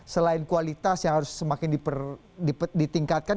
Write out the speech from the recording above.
selain kualitas yang harus semakin ditingkatkan